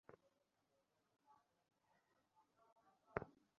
সন্ধ্যা সাতটায় বাংলাদেশ শিল্পকলা একাডেমীর পরীক্ষণ থিয়েটার হলে প্রদর্শনীটি শুরু হবে।